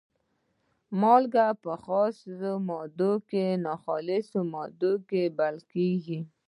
مالګه په خالصه ماده کې ناخالصه بلل کیږي.